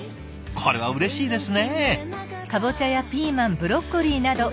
これはうれしいですね。